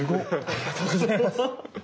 ありがとうございます。